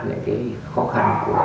những cái khó khăn của